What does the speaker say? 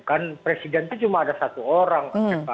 kan presiden itu cuma ada satu orang